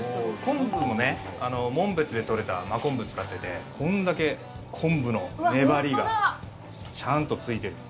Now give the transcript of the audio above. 昆布もね、紋別で取れた真昆布を使っててこんだけ昆布の粘りがちゃんとついてる。